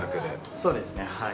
そうですね、はい。